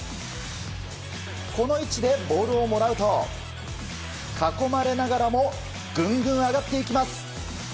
この位置でボールをもらうと囲まれながらも、ぐんぐん上がっていきます。